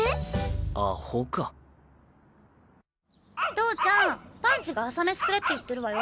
投ちゃんパンチが朝メシくれって言ってるわよ。